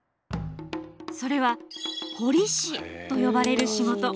それは彫師と呼ばれる仕事。